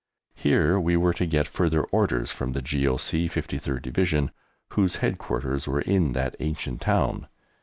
Here we were to get further orders from the G.O.C. 53rd Division, whose headquarters were in that ancient town.